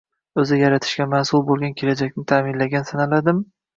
o'zi yaratishga mas'ul bo'lgan kelajakni ta'minlagan sanaladimi?